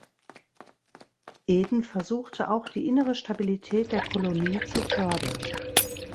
Eden versuchte auch die innere Stabilität der Kolonie zu fördern.